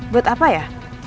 buat apa ya